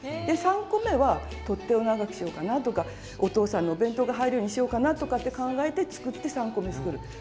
で３個めは取っ手を長くしようかなとかお父さんのお弁当が入るようにしようかなとかって考えて作って３個め作る。